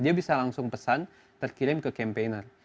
dia bisa langsung pesan terkirim ke campaigner